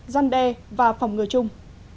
gian đe và phòng ngừa chung